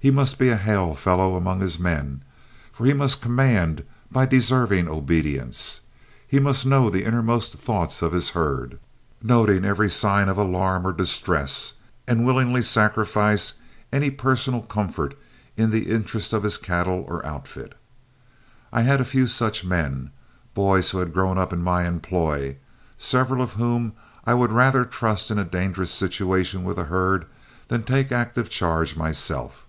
He must be a hail fellow among his men, for he must command by deserving obedience; he must know the inmost thoughts of his herd, noting every sign of alarm or distress, and willingly sacrifice any personal comfort in the interest of his cattle or outfit. I had a few such men, boys who had grown up in my employ, several of whom I would rather trust in a dangerous situation with a herd than take active charge myself.